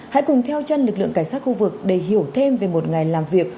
hãy cùng theo chân lực lượng cảnh sát khu vực để hiểu thêm về một ngày làm việc